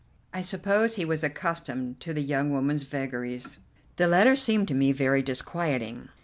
I suppose he was accustomed to the young woman's vagaries. The letter seemed to me very disquieting.